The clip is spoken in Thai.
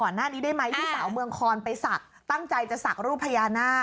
ก่อนหน้านี้ได้ไหมห้ีสาวเมืองคล์ไปสักตั้งใจจะสักรูปพัยานา